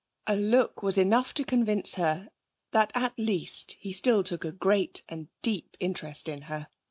A look was enough to convince her that at least he still took a great and deep interest in her.